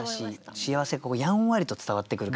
優しい幸せやんわりと伝わってくる感じね。